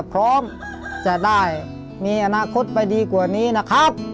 พร้อมจะได้มีอนาคตไปดีกว่านี้นะครับ